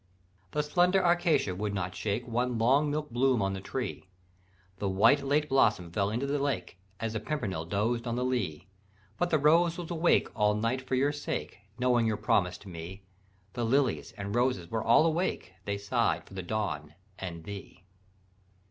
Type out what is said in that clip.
"The slender acacia would not shake One long milk bloom on the tree; The white lake blossom fell into the lake As the pimpernel dozed on the lea; But the rose was awake all night for your sake, Knowing your promise to me; The lilies and roses were all awake, They sighed for the dawn and thee.